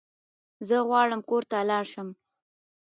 زه غواړم کور ته لاړ شم